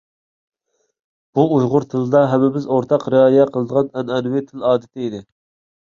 بۇ ئۇيغۇر تىلىدا ھەممىمىز ئورتاق رىئايە قىلىدىغان ئەنئەنىۋى تىل ئادىتى ئىدى.